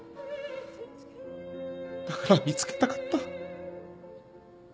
だから見つけたかった。